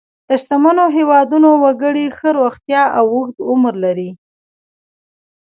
د شتمنو هېوادونو وګړي ښه روغتیا او اوږد عمر لري.